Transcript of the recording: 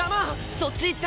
そっちいった！